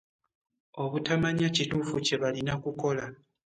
Obutamanya kituufu kye balina kukola.